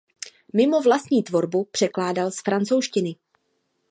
Mimo vlastní tvorbu překládal z francouzštiny.